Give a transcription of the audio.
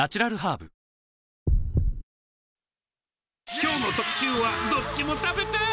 きょうの特集は、どっちも食べたい。